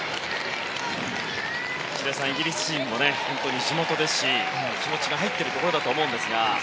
白井さんイギリス人も地元ですし気持ちが入っているところだと思うんですが。